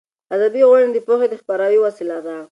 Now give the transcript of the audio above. ادبي غونډې د پوهې د خپراوي وسیله ده.